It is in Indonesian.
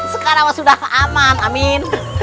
sekarang sudah aman amin